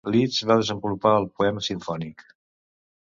Liszt va desenvolupar el poema simfònic.